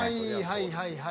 はいはいはい。